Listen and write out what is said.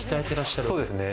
そうですね。